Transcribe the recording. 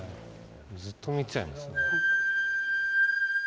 ずっと見ちゃいますね。